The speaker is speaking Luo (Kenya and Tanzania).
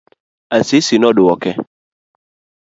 Asisi noduoke.